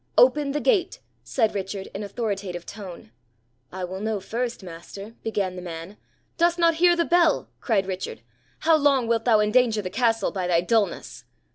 'Open the gate,' said Richard in authoritative tone. 'I will know first, master, ' began the man. 'Dost not hear the bell?' cried Richard. 'How long wilt thou endanger the castle by thy dulness?'